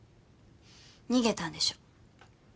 逃げたんでしょ。